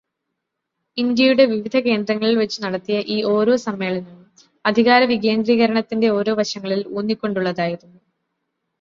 ഇന്ത്യയുടെ വിവിധ കേന്ദ്രങ്ങളിൽവച്ചു നടത്തിയ ഈ ഓരോ സമ്മേളനവും അധികാരവികേന്ദ്രീകരണത്തിന്റെ ഓരോ വശങ്ങളിൽ ഊന്നിക്കൊണ്ടുള്ളതായിരുന്നു.